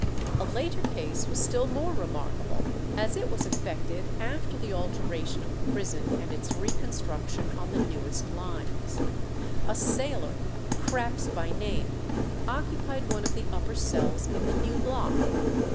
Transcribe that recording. A later case was still more remarkable, as it was effected after the alteration of the prison and its reconstruction on the newest lines. A sailor, Krapps by name, occupied one of the upper cells in the new block.